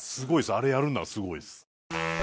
あれやるんならすごいです。